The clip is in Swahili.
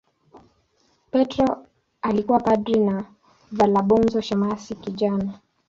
Petro alikuwa padri na Valabonso shemasi kijana.